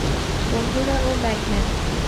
বন্ধুরা, ও ব্যাগম্যান।